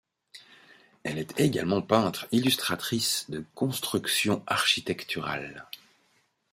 Elle est également peintre illustratrice de constructions architecturales.